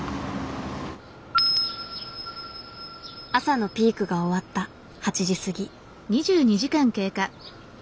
朝のピークが終わった８時過ぎ。